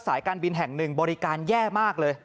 การบินแห่งหนึ่งบริการแย่มากเลย